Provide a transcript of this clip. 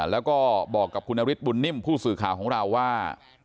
แล้วก็บอกกับคุณนฤทธบุญนิ่มผู้สื่อข่าวของเราว่า